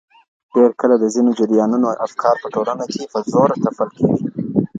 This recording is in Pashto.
ډېر کله د ځينو جريانونو افکار په ټولنه کي په زوره تپل کېږي.